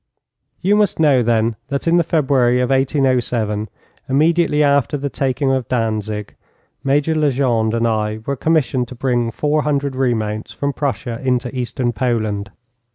You must know, then, that in the February of 1807, immediately after the taking of Danzig, Major Legendre and I were commissioned to bring four hundred remounts from Prussia into Eastern Poland.